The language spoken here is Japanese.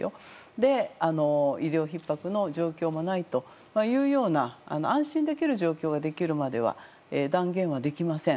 で、医療ひっ迫の状況もないというような安心できる状況ができるまでは断言はできません。